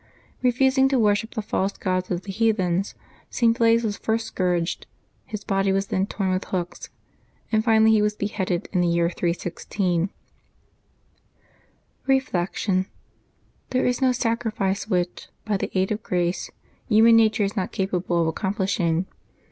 Eefusing to worship the false gods of the heathens, ,St. Blase was first scourged ; his body was then torn with hooks, and finally he was beheaded in the year 316. Reflection. — There is no sacrifice which, by the aid of grace, human nature is not capable of accomplishing.